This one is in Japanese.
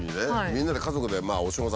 みんなで家族でお正月